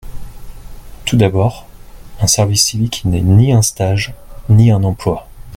Tout d’abord, un service civique n’est ni un stage ni un emploi.